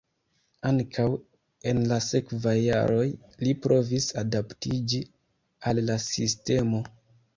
Ankaŭ en la sekvaj jaroj li provis adaptiĝi al la sistemo.